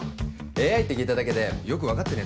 ＡＩって聞いただけでよく分かってねえ